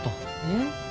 えっ？